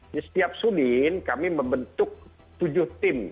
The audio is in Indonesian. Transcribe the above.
di setiap sudin kami membentuk tujuh tim